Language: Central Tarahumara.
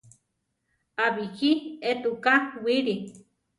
A bíji étuka wili.